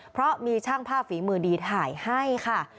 เพราะมีช่างภาพฝีมือดีถ่ายให้ค่ะ